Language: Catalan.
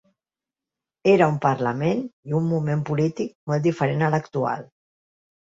Era un parlament i un moment polític molt diferent de l’actual.